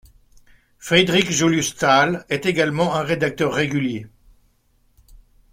Friedrich Julius Stahl est également un rédacteur régulier.